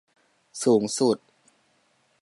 สูงสุด